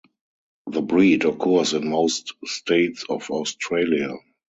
The breed occurs in most states of Australia.